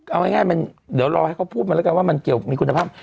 เอาง่ายมันเดี๋ยวรอให้เขาพูดมาแล้วกันว่ามันเกี่ยวมีคุณภาพ